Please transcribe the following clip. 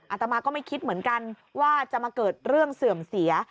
อาตมาก็ไม่คิดเหมือนกันว่าจะมาเกิดเรื่องเสื่อมเสีย